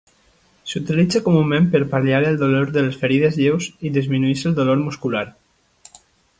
S'utilitza comunament per pal·liar el dolor de les ferides lleus i disminueix el dolor muscular.